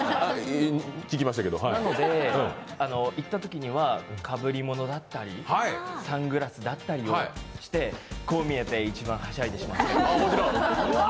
なので、行ったときにはかぶり物だったり、サングラスだったりをしてこう見えて、一番はしゃいでしまうんです。